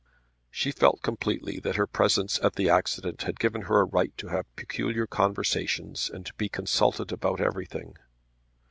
She felt completely that her presence at the accident had given her a right to have peculiar conversations and to be consulted about everything.